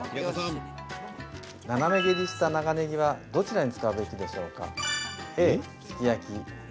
斜め切りした長ねぎはどちらに使うべきでしょうか？